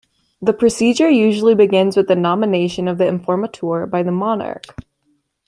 The procedure usually begins with the nomination of the "Informateur" by the monarch.